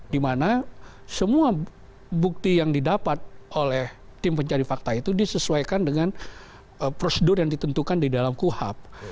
dimana semua bukti yang didapat oleh tim pencari fakta itu disesuaikan dengan prosedur yang ditentukan di dalam kuhap